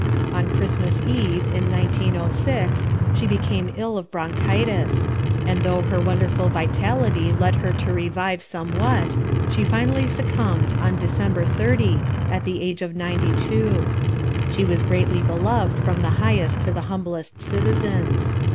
On Christmas Eve, in 1906, she became ill of bronchitis, and though her wonderful vitality led her to revive somewhat, she finally succumbed on December 30, at the age of ninety two. She was greatly beloved from the highest to the humblest citizens.